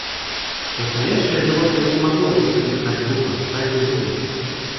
Настоящее животное не могло бы поступить так глупо, так безумно.